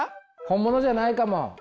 本物じゃないかも。